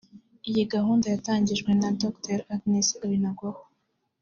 Iyi gahunda yatangijwe na Dr Agnes Binagwaho